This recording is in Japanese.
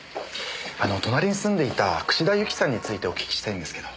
あの隣に住んでいた串田ユキさんについてお聞きしたいんですけど。